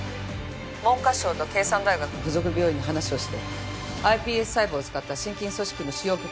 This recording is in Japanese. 文科省と京山大学付属病院に話をしてｉＰＳ細胞を使った心筋組織の使用許可